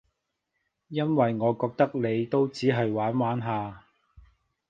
因為我覺得你都只係玩玩下